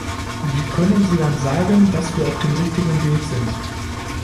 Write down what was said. Wie können Sie dann sagen, dass wir auf dem richtigen Weg sind?